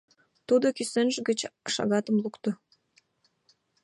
— Тудо кӱсенже гыч шагатым лукто.